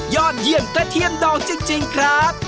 ยอดเยี่ยมกระเทียมดอกจริงครับ